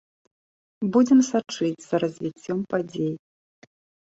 Будзем сачыць за развіццём падзей.